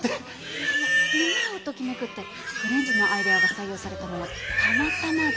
いやいや今をときめくってフレンズのアイデアが採用されたのはたまたまで。